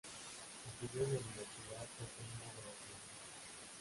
Estudió en la Universidad Autónoma de Barcelona.